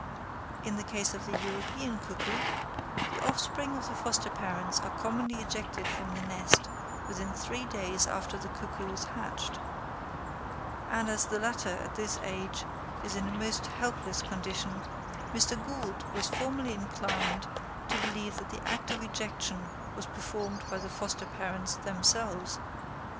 In the case of the European cuckoo, the offspring of the foster parents are commonly ejected from the nest within three days after the cuckoo is hatched; and as the latter at this age is in a most helpless condition, Mr. Gould was formerly inclined to believe that the act of ejection was performed by the foster parents themselves.